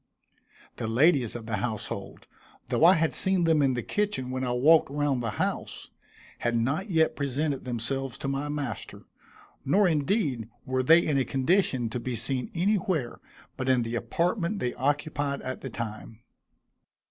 The ladies of the household, though I had seen them in the kitchen when I walked round the house, had not yet presented themselves to my master, nor indeed were they in a condition to be seen anywhere but in the apartment they occupied at the time.